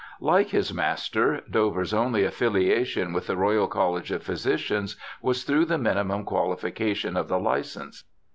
Like his master, Dover's only affiliation with the Royal College of Physicians was through the minimum qualification of the licence.